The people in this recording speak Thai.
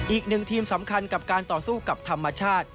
อีกหนึ่งทีมสำคัญกับการต่อสู้กับธรรมชาติ